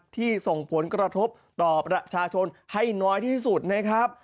ส่งผลกระทบต่อประชาชนให้น้อยที่สุดนะครับ